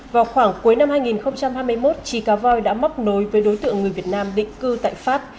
vào khoảng cuối năm hai nghìn hai mươi một chi cá voi đã móc nối với đối tượng người việt nam định cư tại pháp